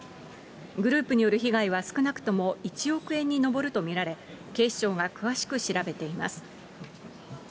グループによる被害は少なくとも１億円に上ると見られ、警視庁が詳しく調べています。